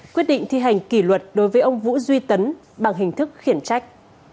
quyết định thi hành kỷ luật đối với ông vũ duy tấn bằng hình thức khiển trách